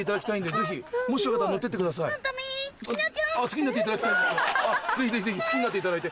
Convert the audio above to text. ぜひぜひぜひ好きになっていただいて。